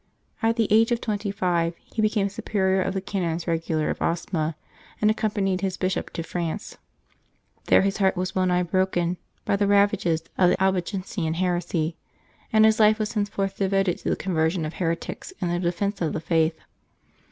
At the age of twenty five he became superior of the Canons Regular of Osma, and accompanied his Bishop to France. There his heart was well nigh broken by the ravages of the Albigen sian heresy, and his life was henceforth devoted to the con version of heretics and the defence of the Faith.